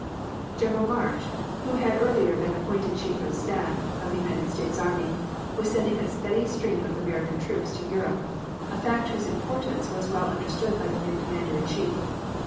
General March, who had earlier been appointed Chief of Staff of the United States army, was sending a steady stream of American troops to Europe, a fact whose importance was well understood by the new Commander in Chief.